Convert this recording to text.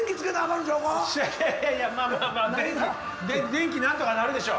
電気なんとかなるでしょ。